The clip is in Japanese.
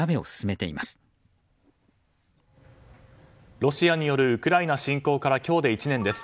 ロシアによるウクライナ侵攻から今日で１年です。